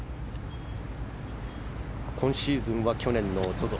今シーズンは去年のＺＯＺＯ